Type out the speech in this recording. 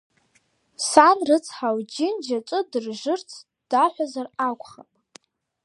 Сан рыцҳа, лџьынџь аҿы дыржырц даҳәазар акәхап.